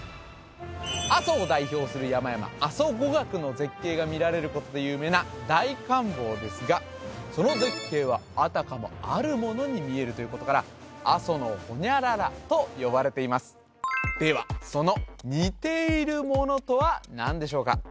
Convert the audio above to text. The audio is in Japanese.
阿蘇を代表する山々阿蘇五岳の絶景が見られることで有名な大観峰ですがその絶景はあたかもあるものに見えるということから阿蘇の○○と呼ばれていますではその似ているものとは何でしょうか？